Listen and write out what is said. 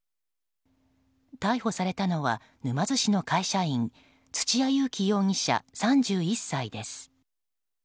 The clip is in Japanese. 逮捕されたのは沼津市の会社員土屋勇貴容疑者、３１歳です。